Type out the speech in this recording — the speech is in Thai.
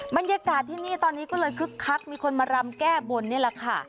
บรรยากาศที่นี่ตอนนี้ก็เลยคึกคักมีคนมารำแก้บนนี่แหละค่ะ